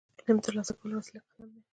د علم ترلاسه کولو وسیله قلم دی.